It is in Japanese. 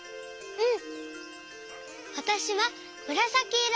うん。